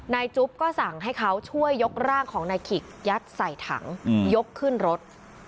จุ๊บก็สั่งให้เขาช่วยยกร่างของนายขิกยัดใส่ถังยกขึ้นรถ